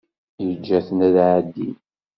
Yeǧǧa-ten ad ɛeddin.